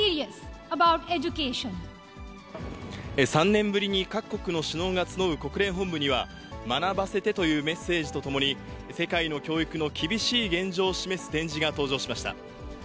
３年ぶりに各国の首脳が集う国連本部には、学ばせてというメッセージとともに、世界の教育の厳しい現状を示す展示がありました。